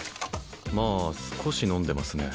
まあ少し飲んでますね